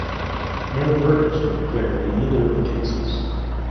No verdicts were declared in either of the cases.